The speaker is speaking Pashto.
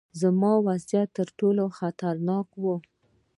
زما وضعیت ترټولو خطرناک و.